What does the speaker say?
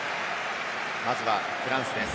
まずはフランスです。